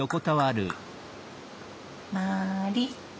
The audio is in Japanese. まり。